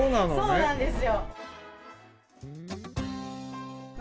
そうなんです。